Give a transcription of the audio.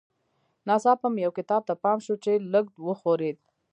ناڅاپه مې یو کتاب ته پام شو چې لږ وښورېد